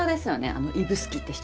あの指宿って人。